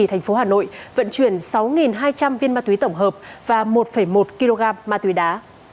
thành phố hà nội vận chuyển sáu hai trăm linh viên ma túy tổng hợp và một một kg ma túy đá